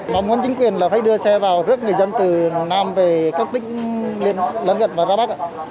mong muốn chính quyền phải đưa xe vào rước người dân từ nam về các tích lên gần và ra bắc